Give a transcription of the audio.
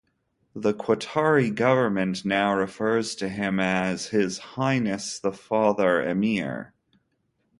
The Qatari government now refers to him as His Highness the Father Emir.